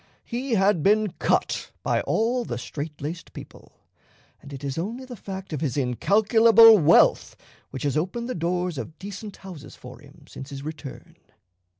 He had been cut by all the strait laced people; and it is only the fact of his incalculable wealth which has opened the doors of decent houses for him since his return."